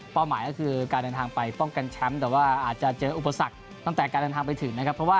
เป้าหมายก็คือการเดินทางป้องกันแชมป์แต่ว่าอาจจะเจออุปสรรคจากการเดินทางไปถึง